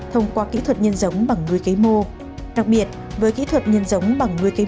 thông qua kỹ thuật nhân giống bằng người cấy mô đặc biệt với kỹ thuật nhân giống bằng người cấy